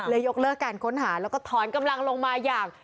ยกเลิกการค้นหาแล้วก็ถอนกำลังลงมาอย่าง